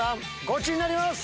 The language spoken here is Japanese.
ゴチになります！